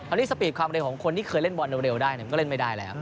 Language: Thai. อันนี้สปีดความเร็วของคนที่เคยเล่นบอลเร็วได้ก็เล่นไม่ได้แล้ว